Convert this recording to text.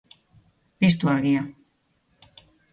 Piztu argia.